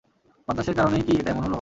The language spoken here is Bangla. বাতাসের কারণেই কি এটা এমন হলো?